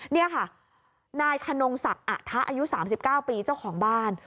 นี่ค่ะนายขนงศักดิ์อะทะอายุ๓๙ปีเจ้าของบ้าน